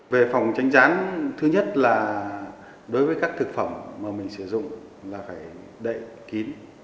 về phòng tránh rán thứ nhất là đối với các thực phẩm mà mình sử dụng là phải đậy kín